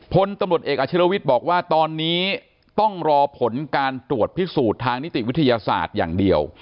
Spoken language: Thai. พลตำรวจเอกอาชิลวิทย์บอกว่าตอนนี้ต้องรอผลการตรวจพิสูจน์ทางนิติวิทยาศาสตร์อย่างเดียว